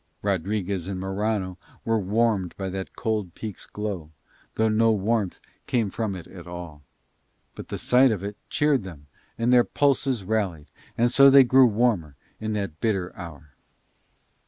Rodriguez and Morano were warmed by that cold peak's glow, though no warmth came from it at all; but the sight of it cheered them and their pulses rallied, and so they grew warmer in that bitter hour.